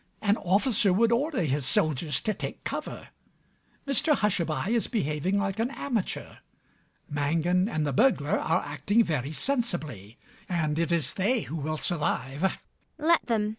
An officer would order his soldiers to take cover. Mr Hushabye is behaving like an amateur. Mangan and the burglar are acting very sensibly; and it is they who will survive. ELLIE. Let them.